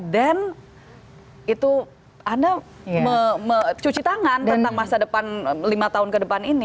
itu anda cuci tangan tentang masa depan lima tahun ke depan ini